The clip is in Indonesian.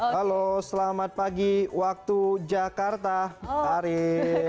halo selamat pagi waktu jakarta ari